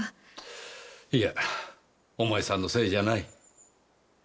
いやお前さんのせいじゃない。